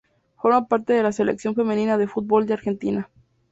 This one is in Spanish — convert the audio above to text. Forma parte de la Selección femenina de fútbol de Argentina.